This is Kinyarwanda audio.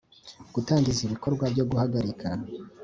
Gutangiza ibikorwa byo guhagarika